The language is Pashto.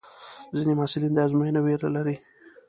ځینې محصلین د ازموینې وېره لري.